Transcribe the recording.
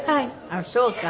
あっそうか。